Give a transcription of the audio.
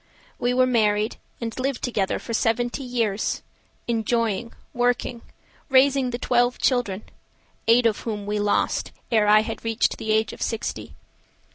We were married and lived together for seventy years, Enjoying, working, raising the twelve children, Eight of whom we lost Ere I had reached the age of sixty.